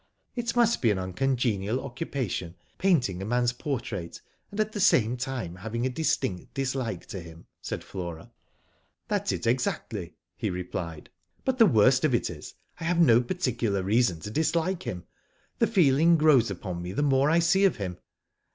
"It must be an uncongenial occupation painting a man's portrait, and at the same time having a distinct dislike to him," said Flora. "That's it, exactly," he replied. "But the worst of it is, I have no particular reason to dis like him. The feeling grows upon me the more I see of him."